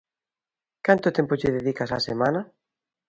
Canto tempo lle dedicas á semana?